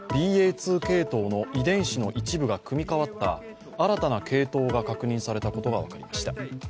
２系統の遺伝子の一部が組み変わった新たな系統が確認されたことが分かりました。